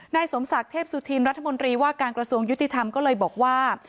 นายสมศักดิ์เทพสุธินรัฐมนตรีว่าการกระทรวงยุติธรรมก็เลยบอกว่า